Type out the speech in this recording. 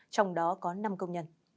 trong đó có năm công nhân